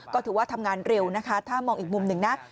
ก็ถือว่าทำงานเร็วนะคะถ้ามองอีกมุมหนึ่งนะ